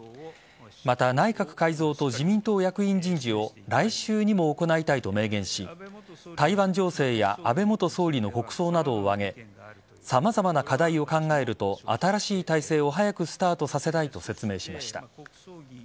また内閣改造と自民党役員人事を来週にも行いたいと明言し台湾情勢や安倍元総理の国葬などを挙げ様々な課題を考えると新しい体制を早くスタートさせたいと説明しました。